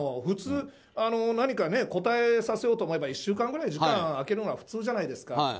普通、何か答えさせようと思えば１週間くらい、時間を空けるのが普通じゃないですか。